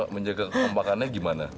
menjaga kekembangannya gimana